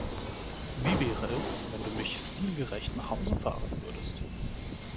Wie wäre es, wenn Du mich stilgerecht nach Hause fahren würdest?